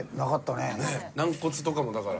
軟骨とかもだから。